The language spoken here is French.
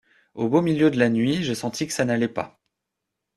Au beau milieu de la nuit, j’ai senti que ça n’allait pas.